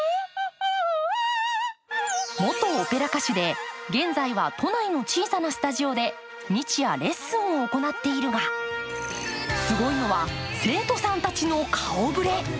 元オペラ歌手で現在は都内の小さなスタジオで日夜、レッスンを行っているがすごいのは生徒さんたちの顔ぶれ。